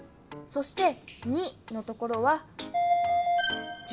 そして「２」のところは１０ぷん。